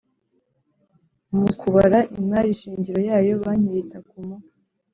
Mu kubara imari shingiro yayo banki yita kumu